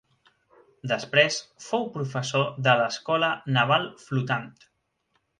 Després fou professor de l'Escola Naval Flotant.